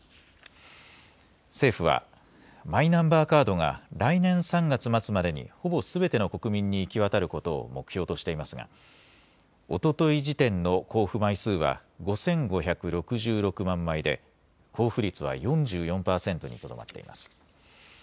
政府はマイナンバーカードが来年３月末までにほぼすべての国民に行き渡ることを目標としていますがおととい時点の交付枚数は５５６６万枚で交付率は４４％にとどまっています。